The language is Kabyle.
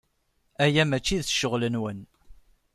Aya maci d ccɣel-nwen.